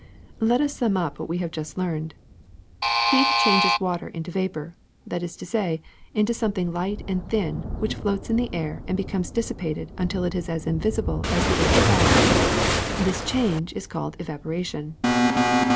Let us sum up what we have just learned. Heat changes water into vapor, that is to say into some thing light and thin, which floats in the air and becomes dissipated until it is as invisible as the air itself. This change is called evaporation.